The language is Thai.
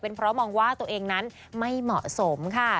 เพราะมองว่าตัวเองนั้นไม่เหมาะสมค่ะ